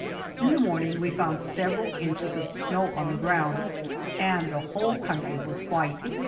In the morning we found several inches of snow on the ground and the whole country was white.